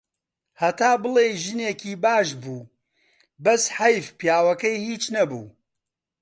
هەتا بڵێی ژنێکی باش بوو، بەس حەیف پیاوەکەی هیچ نەبوو.